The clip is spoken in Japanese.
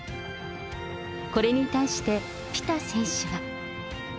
これに対して、ピタ選手は。